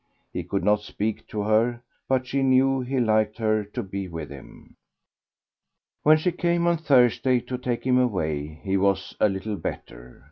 He could not speak to her but she knew he liked her to be with him. When she came on Thursday to take him away, he was a little better.